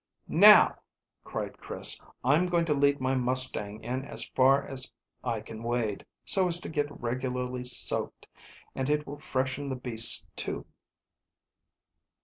"Now," cried Chris, "I'm going to lead my mustang in as far as I can wade, so as to get regularly soaked, and it will freshen the beasts too."